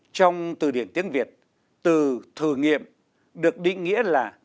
trong từ điển tiếng việt từ thử nghiệm được định nghĩa là